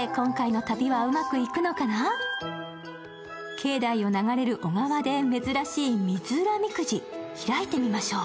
境内を流れる小川で珍しい水占みくじ、開いて見ましょう。